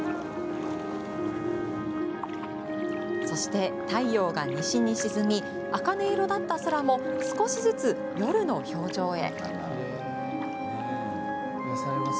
そして、太陽が西に沈みあかね色だった空も少しずつ夜の表情へ。